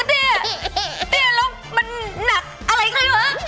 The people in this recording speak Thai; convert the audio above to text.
เตี้ยแล้วมันหนักอะไรค่ะ